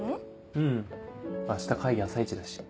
うん。明日会議朝イチだし。